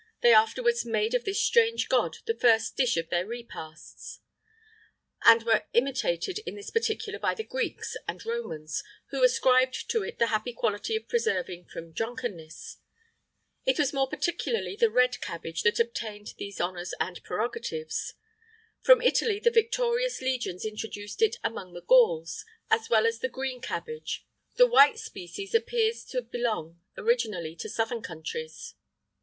They afterwards made of this strange god the first dish of their repasts, and were imitated in this particular by the Greeks and Romans, who ascribed to it the happy quality of preserving from drunkenness.[IX 13] It was more particularly the red cabbage that obtained these honours and prerogatives. From Italy the victorious legions introduced it among the Gauls, as well as the green cabbage; the white species appears to belong originally to southern countries.